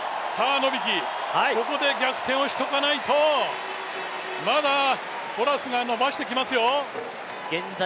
ノビキ、ここで逆転をしておかないと、まだホラスが伸ばしてきますよ。